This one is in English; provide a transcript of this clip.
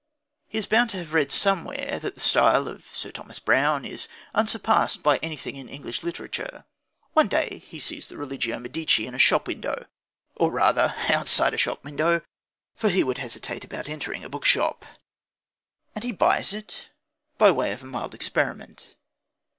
He is bound to have read somewhere that the style of Sir Thomas Browne is unsurpassed by anything in English literature. One day he sees the Religio Medici in a shop window (or, rather, outside a shop window, for he would hesitate about entering a bookshop), and he buys it, by way of a mild experiment.